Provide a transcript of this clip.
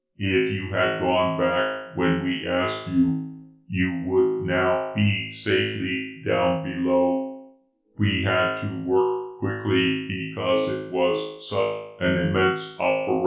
If you had gone back when we asked you, you would now be safely down below. We had to work quickly because it was such an immense operation." "But why?"